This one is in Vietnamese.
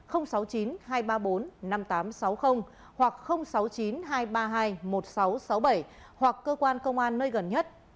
hoặc sáu mươi chín hai trăm ba mươi hai một nghìn sáu trăm sáu mươi bảy hoặc cơ quan công an nơi gần nhất